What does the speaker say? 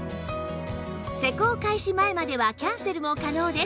施工開始前まではキャンセルも可能です